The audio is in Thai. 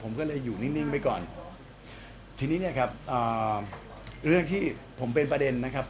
ผมก็เลยอยู่นิ่งไปก่อนทีนี้เนี่ยครับอ่าเรื่องที่ผมเป็นประเด็นนะครับ